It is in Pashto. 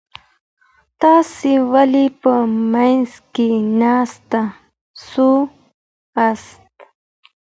تاسي ولي په مځکي ناست سواست؟